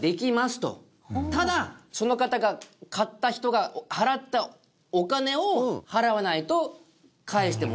ただその方が買った人が払ったお金を払わないと返してもらえないと。